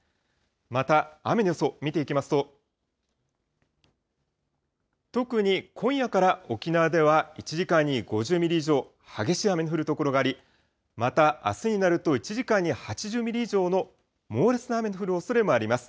また、雨の予想、見ていきますと、特に今夜から沖縄では、１時間に５０ミリ以上、激しい雨の降る所があり、また、あすになると１時間に８０ミリ以上の猛烈な雨の降るおそれもあります。